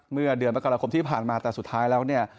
เมื่อเดือนมกราคมที่ผ่านมาแต่สุดท้ายแล้วเนี่ย